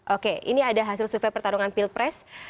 oke ini ada hasil survei pertarungan pilpres